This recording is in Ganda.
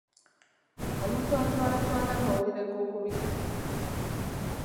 Omuntu atwalatwala amawulire g'okubika.